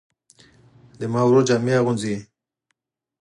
زما ورور جامې اغوندي